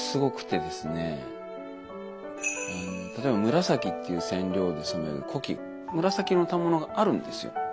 例えば紫っていう染料で染める深紫色の反物があるんですよ。